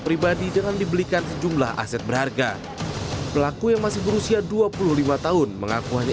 pribadi dengan dibelikan sejumlah aset berharga pelaku yang masih berusia dua puluh lima tahun mengaku hanya